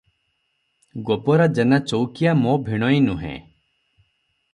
ଗୋବରା ଜେନା ଚୌକିଆ ମୋ ଭିଣୋଇ ନୁହେଁ ।